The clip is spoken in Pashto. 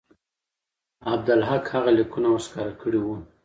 عبدالحق هغه لیکونه ورښکاره کړي وو.